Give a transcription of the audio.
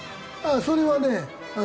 それはね